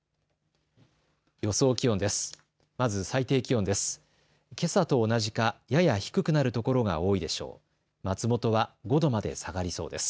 予想気温です。